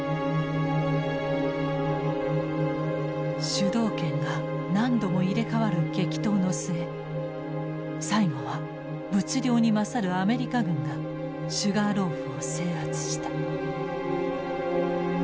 主導権が何度も入れ代わる激闘の末最後は物量に勝るアメリカ軍がシュガーローフを制圧した。